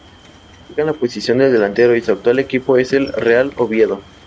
Juega en la posición de delantero y su actual equipo es el Real Oviedo.